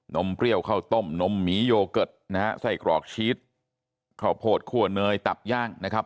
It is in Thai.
มเปรี้ยวข้าวต้มนมหมีโยเกิร์ตนะฮะไส้กรอกชีสข้าวโพดคั่วเนยตับย่างนะครับ